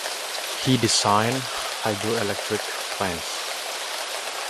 He designed hydroelectric plants.